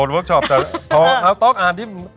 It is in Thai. อ่านบทเวิร์กช็อปเอาต๊อกอ่านดิ